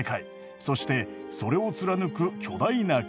そしてそれを貫く巨大な樹。